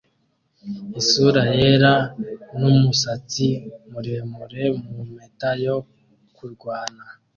isura yera n umusatsi muremure mu mpeta yo kurwana